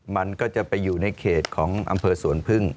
มันก็จะไปอยู่ในเขตของอำเภอสวนพึ่ง